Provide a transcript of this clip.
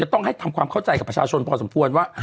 ต้องให้ทำความเข้าใจกับประชาชนพอสมควรว่า